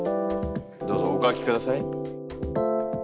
どうぞお書きください。